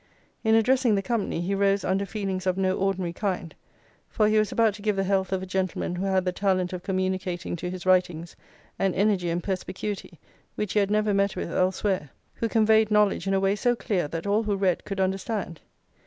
In addressing the company, he rose under feelings of no ordinary kind, for he was about to give the health of a gentleman who had the talent of communicating to his writings an energy and perspicuity which he had never met with elsewhere; who conveyed knowledge in a way so clear, that all who read could understand.